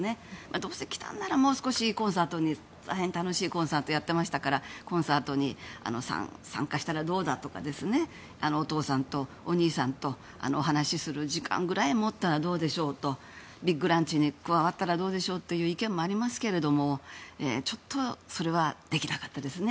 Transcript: どうせ来たんならもう少し、大変楽しいコンサートをやっていたのでコンサートに参加したらどうだとかお父さんとお兄さんとお話しする時間ぐらい持ったらどうでしょうとビッグランチに加わったらどうでしょうという意見もありますがちょっとそれはできなかったです。